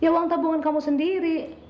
uang tabungan kamu sendiri